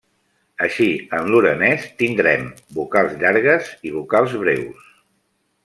Així, en lorenès tindrem vocals llargues i vocals breus.